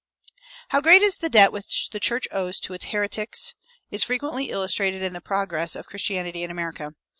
How great is the debt which the church owes to its heretics is frequently illustrated in the progress of Christianity in America.